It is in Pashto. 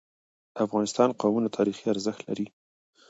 د افغانستان قومونه تاریخي ارزښت لري.